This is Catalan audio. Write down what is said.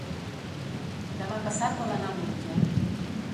Demà passat vol anar al metge.